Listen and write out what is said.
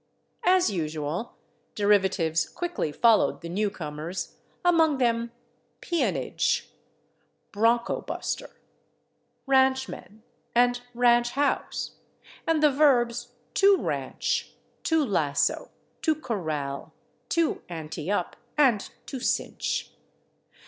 As usual, derivatives quickly followed the new comers, among them /peonage/, /broncho buster/, /ranchman/ and /ranch house/, and the verbs /to ranch/, /to lasso/, /to corral/, /to ante up/, and /to cinch